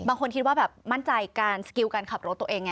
คิดว่าแบบมั่นใจการสกิลการขับรถตัวเอง